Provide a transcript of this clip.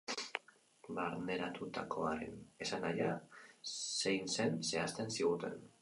Barneratutakoaren esanahia zein zen zehazten ziguten.